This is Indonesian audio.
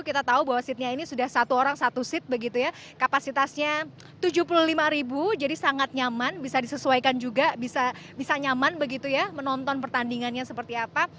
kita tahu bahwa seatnya ini sudah satu orang satu seat begitu ya kapasitasnya tujuh puluh lima ribu jadi sangat nyaman bisa disesuaikan juga bisa nyaman begitu ya menonton pertandingannya seperti apa